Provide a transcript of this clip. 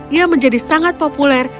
ia menjadi sangat populer